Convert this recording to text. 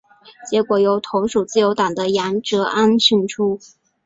结果由同属自由党的杨哲安胜出。